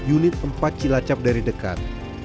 unit empat cilacap dari dekat